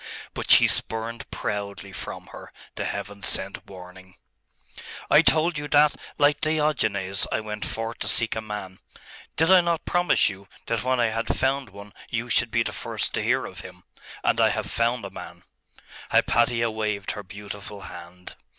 but she spurned proudly from her the heaven sent warning. 'I told you that, like Diogenes, I went forth to seek a man. Did I not promise you, that when I had found one you should be the first to hear of him? And I have found a man.' Hypatia waved her beautiful hand.